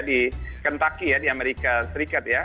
di kentaki ya di amerika serikat ya